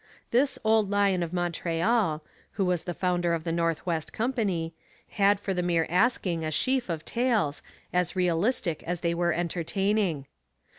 This 'old lion of Montreal,' who was the founder of the North West Company, had for the mere asking a sheaf of tales, as realistic as they were entertaining.